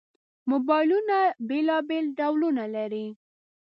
موبایلونه بېلابېل ډولونه لري.